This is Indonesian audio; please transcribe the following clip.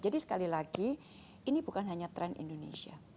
jadi sekali lagi ini bukan hanya tren indonesia